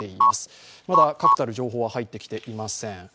まだ確たる情報は入ってきていません。